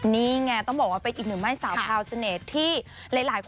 มีเยอะน้อยล่องช่วงน้อยลุ่มก็ไม่แก้เข้ามาอย่างนี้ดิ